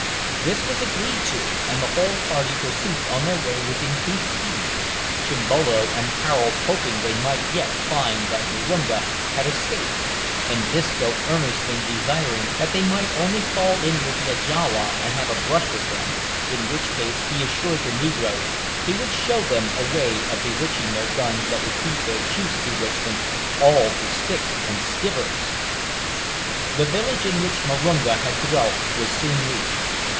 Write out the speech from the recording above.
This was agreed to, and the whole party proceeded on their way with increased speed, Chimbolo and Harold hoping they might yet find that Marunga had escaped, and Disco earnestly desiring that they might only fall in with the Ajawa and have a brush with them, in which case he assured the negroes he would show them a way of bewitching their guns that would beat their chief's bewitchment all to sticks and stivers! The village in which Marunga had dwelt was soon reached.